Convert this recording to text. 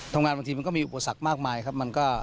บางทีมันก็มีอุปสรรคมากมายครับ